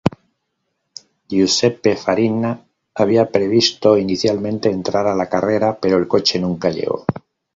Giuseppe Farina había previsto inicialmente entrar a la carrera, pero el coche nunca llegó.